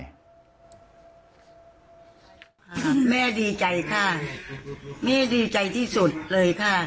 แม่ดีใจค่ะแม่ดีใจที่สุดเลยค่ะ